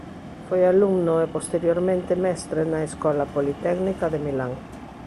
Foi alumno e posteriormente mestre na Escola Politécnica de Milán.